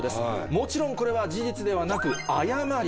もちろんこれは事実ではなく誤り。